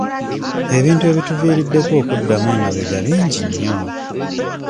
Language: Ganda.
Ebintu ebituviiriddeko okuddamu emabega bingi nnyo.